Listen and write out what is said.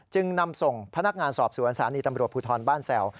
จึงนำส่งพนักงานสอบสวนศาลีตำรวจภูทรบ้านแสว